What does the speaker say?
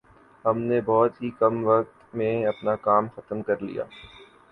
ھم نے بہت ہی کم وقت میں اپنا کام ختم کرلیا